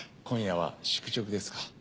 今夜は宿直ですか？